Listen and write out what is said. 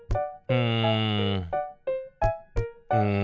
うん。